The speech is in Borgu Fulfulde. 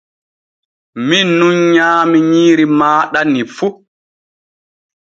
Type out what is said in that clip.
Min nun nyaami nyiiri maaɗa ni fu.